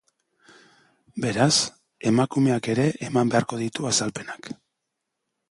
Beraz, emakumeak ere eman beharko ditu azalpenak.